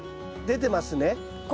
出てます。